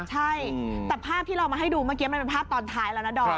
ใช่แต่ภาพที่เรามาให้ดูเมื่อกี้มันเป็นภาพตอนท้ายแล้วนะดอม